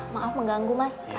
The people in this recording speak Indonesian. maaf mengganggu mas